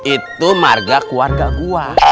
itu marga keluarga gua